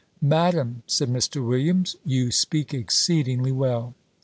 "Madam," said Mr. Williams, "you speak exceedingly well."